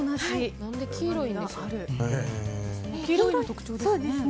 黄色いのが特徴ですね。